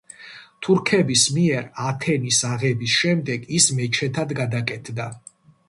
თურქების მიერ ათენის აღების შემდეგ ის მეჩეთად გადაკეთდა.